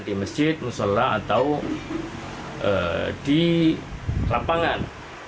di masjid musola atau di lapangan